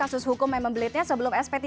kasus hukum yang membelitnya sebelum sp tiga